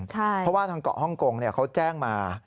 เพราะว่าทางเกาะฮ่องกงเขาแจ้งมา